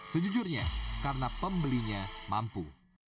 sejujurnya karena pembelinya mampu